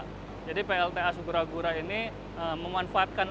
air yang terkumpul akan disedot oleh saluran intake tunnel